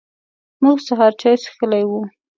موږ سهار چای څښلی و.